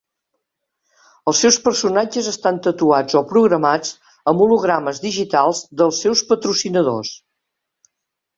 Els seus personatges estan tatuats o programats amb hologrames digitals dels seus patrocinadors.